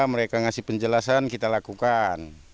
mereka ngasih penjelasan kita lakukan